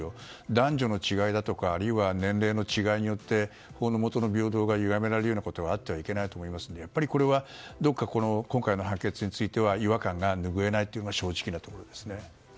男女の違いだとかあるいは年齢の違いによって法の下の平等がゆがめられるようなことがあってはいけないと思いますのでやっぱり、これはどこか今回の判決については違和感が拭えないというのが正直なところですね。